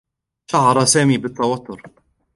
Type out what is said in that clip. شعر سامي بالتوتّر.